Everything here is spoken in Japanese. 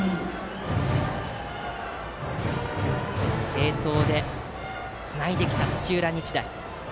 継投でつないできた土浦日大。